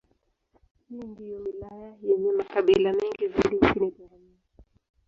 Hii ndiyo wilaya yenye makabila mengi zaidi nchini Tanzania.